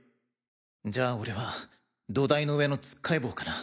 じゃあ俺は土台の上のつっかえ棒かな？